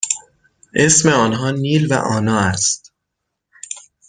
اسم آنها نیل و آنا است.